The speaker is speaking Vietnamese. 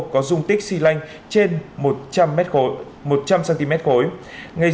có dung tích xy lanh trên một trăm linh cm khối